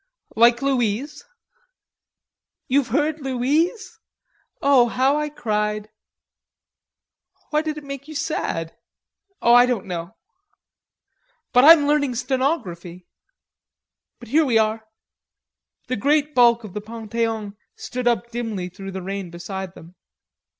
"Like Louise?" "You've heard Louise? Oh, how I cried." "Why did it make you sad?" "Oh, I don't know.... But I'm learning stenography.... But here we are!" The great bulk of the Pantheon stood up dimly through the rain beside them.